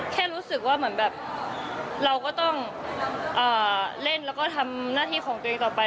แค่รู้สึกว่าเหมือนแบบเราก็ต้องเล่นแล้วก็ทำหน้าที่ของตัวเองต่อไป